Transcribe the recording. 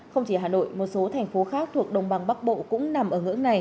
không chỉ hà nội một số thành phố khác thuộc đồng bằng bắc bộ cũng nằm ở ngưỡng này